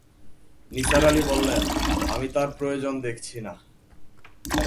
নিসার আলি বললেন, আমি তার প্রয়োজন দেখছি না।